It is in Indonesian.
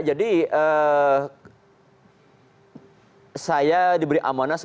jadi saya diberi amanah sebagai dirjen